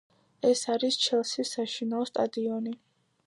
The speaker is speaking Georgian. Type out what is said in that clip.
ეს არის ჩელსის საშინაო სტადიონი.